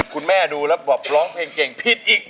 คุณแม่ดูแล้วบอกร้องเพลงเก่งผิดอีก